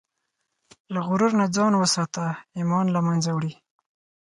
له غرور نه ځان وساته، ایمان له منځه وړي.